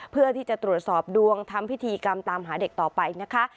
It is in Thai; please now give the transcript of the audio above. เพื่อที่จะตรวจสอบดวงทำพิธีกรรมตามหาเด็กต่อไปนะคะ